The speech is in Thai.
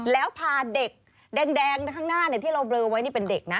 แล้วพาเด็กแดงข้างหน้าที่เราเบลอไว้นี่เป็นเด็กนะ